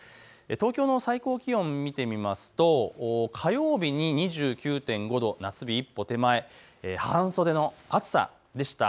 東京の最高気温、見てみますと火曜日に２９．５度、夏日一歩手前、半袖の暑さでした。